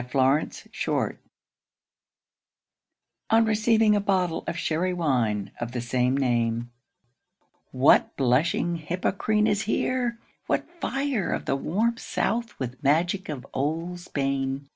DON QUIXOTE On receiving a bottle of Sherry Wine of the same name What "blushing Hippocrene" is here! what fire Of the "warm South" with magic of old Spain!